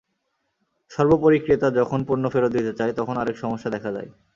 সর্বোপরিক্রেতা যখন পণ্য ফেরত দিতে চায়, তখন আরেক সমস্যা দেখা দেয়।